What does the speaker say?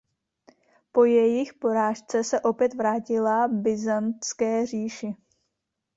Po jejich porážce se opět vrátila Byzantské říši.